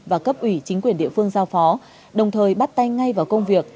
và cấp ủy chính quyền địa phương giao phó đồng thời bắt tay ngay vào công việc